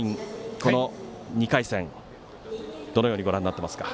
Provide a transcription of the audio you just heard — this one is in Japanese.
この２回戦どのようにご覧になっていますか。